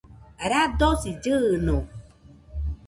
radosi llɨɨno